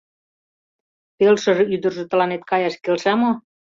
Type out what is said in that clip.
— Пелшыр ӱдыржӧ тыланет каяш келша мо?